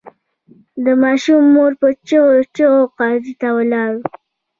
د ماشوم مور په چیغو چیغو قاضي ته ولاړه.